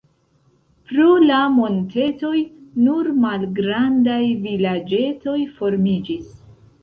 Pro la montetoj nur malgrandaj vilaĝetoj formiĝis.